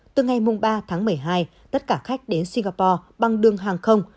từ ngày ba tháng một mươi hai tất cả khách đến singapore bằng đường hàng không